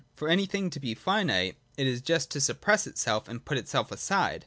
For anything to be finite is just to suppress itself and put itself aside.